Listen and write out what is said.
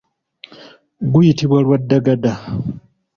Guyitibwa lwadagada.